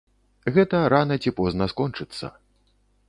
Гэта рана ці позна скончыцца.